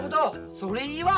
それいいわ！